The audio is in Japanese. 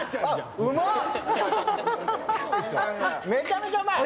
めちゃめちゃうまい。